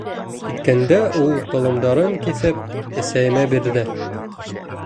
Киткәндә ул толомдарын киҫеп, әсәйемә бирҙе: